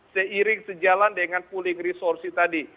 seiring sejalan dengan pooling resource tadi